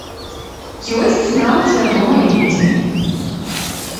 Ёсць нават вядомыя людзі.